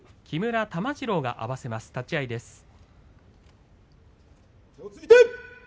木村玉治郎が合わせます。